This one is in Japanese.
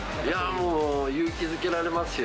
もう、勇気づけられますよ。